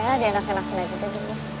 ya di anak anaknya juga gitu